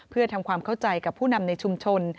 เพื่อทำความเข้าใจกับผู้นำในชุมชน